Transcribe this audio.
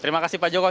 terima kasih pak joko